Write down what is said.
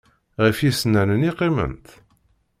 Ɣef yisennanen i qqiment?